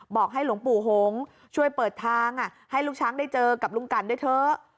บอกให้หลวงปู่หงษ์ช่วยเปิดทางให้ลูกช้างได้เจอกับลุงกันด้วยเถอะ